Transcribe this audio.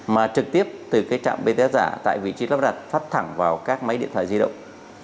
mà trực tiếp từ cái trạm bts giả tại vị trí lắp đặt phát thẳng vào các máy điện thoại di động